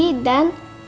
dan ustadz jainal